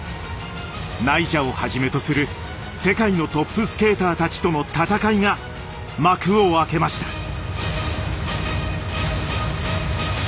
ナイジャをはじめとする世界のトップスケーターたちとの戦いが幕を開けました。